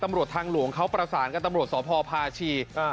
ตำรวจทางหลวงเขาประสานกับตำรวจสพพาชี